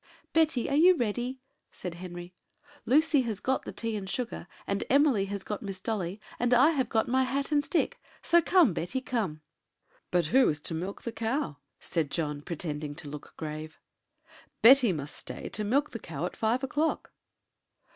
"Betty, are you ready?" said Henry; "Lucy has got the tea and sugar, and Emily has got Miss Dolly, and I have got my hat and stick. So come, Betty, come!" "But who is to milk the cow?" said John, pretending to look grave; "Betty must stay to milk the cow at five o'clock."